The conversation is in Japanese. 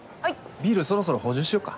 ビールそろそろ補充しようか。